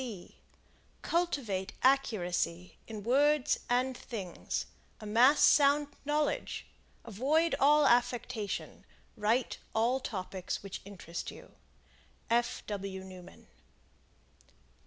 Cultivate accuracy in words and things; amass sound knowledge; avoid all affectation; write all topics which interest you. F. W. Newman.